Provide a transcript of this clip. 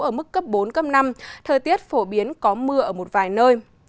ở mức cấp bốn cấp năm thời tiết phổ biến có mưa ở một vài nơi